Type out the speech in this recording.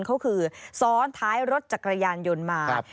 เขาคือซ้อนท้ายรถจักรยานยนต์มา